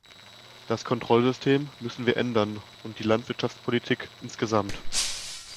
Das Kontrollsystem müssen wir ändern und die Landwirtschaftspolitik insgesamt.